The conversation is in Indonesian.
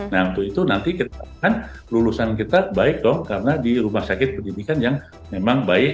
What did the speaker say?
nah untuk itu nanti kita akan lulusan kita baik dong karena di rumah sakit pendidikan yang memang baik